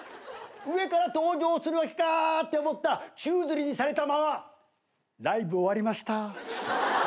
上から登場するって思ったら宙づりにされたままライブ終わりました。